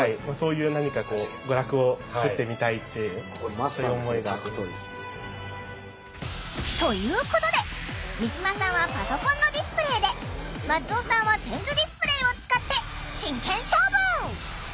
もともとのこのきっかけというかということで三島さんはパソコンのディスプレーで松尾さんは点図ディスプレーを使って真剣勝負！